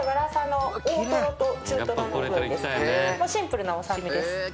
シンプルなお刺身です。